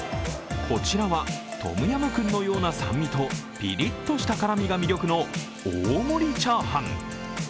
こちらはトムヤムクンのような酸味とピリッとした辛みが魅力の大盛りチャーハン。